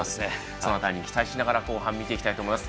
その辺り期待しながら後半見ていきたいと思います。